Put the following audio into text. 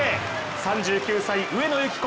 ３９歳、上野由岐子。